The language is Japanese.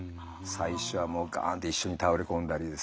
最初はガンって一緒に倒れ込んだりですね